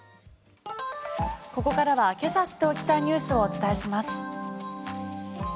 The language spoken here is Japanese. ここからはけさ知っておきたいニュースをお伝えします。